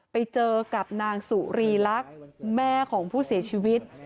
ไปเจอกับนางสุรีลักษณ์แม่ของผู้เสียชีวิต